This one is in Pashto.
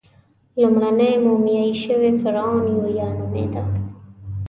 لومړنی مومیایي شوی فرعون یویا نومېده.